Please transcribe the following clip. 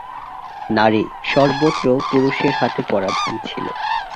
নারী সর্বত্র পুরুষের হাতে পরাধীন ছিল।